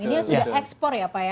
ini yang sudah ekspor ya pak ya